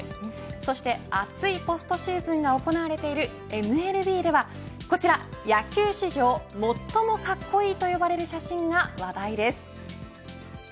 そして熱いポストシーズンが行われているＭＬＢではこちら野球史上最も格好いいと呼ばれる写真が話題です。